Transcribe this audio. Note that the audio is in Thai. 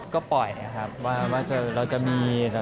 ก็ปล่อยนะครับว่าเราจะมี